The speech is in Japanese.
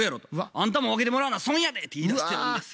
「あんたも分けてもらわな損やで」って言いだしてるんですよ。